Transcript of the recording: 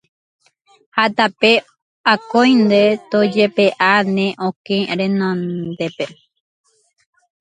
Ha tape akóinte tojepe'a ne okẽ renondépe.